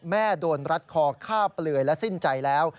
โดนรัดคอฆ่าเปลือยและสิ้นใจแล้ว